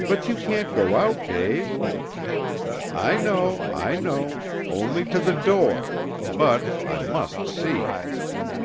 "But you can't go out, Dave!" "I know. I know. Only to the door. But I must see."